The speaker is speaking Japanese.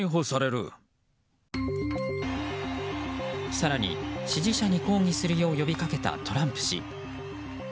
更に支持者に抗議するよう呼びかけたトランプ氏。